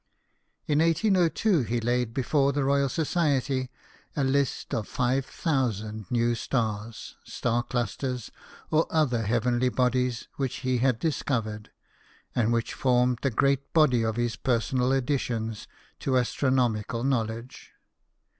In 1802 he laid before the Royal Society a list of five thousand new stars, star clusters, or other heavenly bodies which he had discovered, and which formed the great body of his personal additions to astro nomical knowledge.